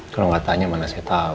kalau gak tanya mana saya tau